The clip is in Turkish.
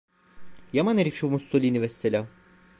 Yaman herif şu Musolini vesselam…